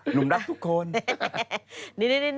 หนุ่มรักทุกคน